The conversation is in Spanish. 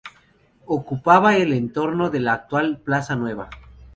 Ocupaba el entorno de la actual plaza Nueva.